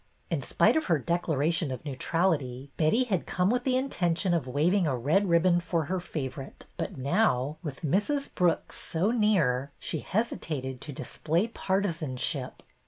In spite of her dec laration of neutrality, Betty had come with the intention of waving a red ribbon for her favorite, but now, with Mrs. Brooks so near, she hesitated to display partisanship.